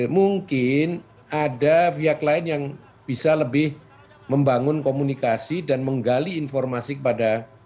mungkin ada pihak lain yang bisa lebih membangun komunikasi dan menggali informasi kepada